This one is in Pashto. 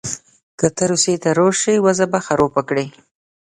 که ته روسیې ته راسې وضع به خرابه کړې.